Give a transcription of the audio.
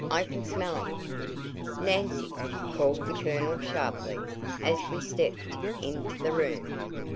I can smell um." "Nancy!" called the Colonel sharply as we stepped into the room.